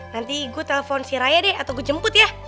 nanti gue telfon si raya deh atau gue jemput ya